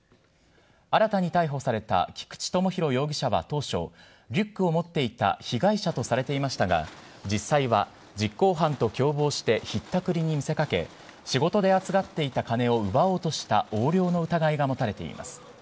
新たに逮捕された、菊地友博容疑者は当初、リュックを持っていた被害者とされていましたが、実際は実行犯と共謀してひったくりに見せかけ、仕事で預かっていた金を奪おうとした横領の疑いが持たれています。